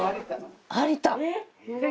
有田！